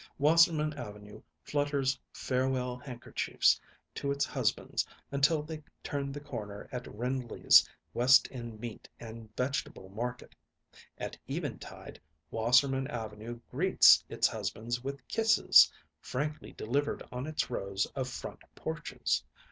Wasserman Avenue flutters farewell handkerchiefs to its husbands until they turn the corner at Rindley's West End Meat and Vegetable Market. At eventide Wasserman Avenue greets its husbands with kisses, frankly delivered on its rows of front porches.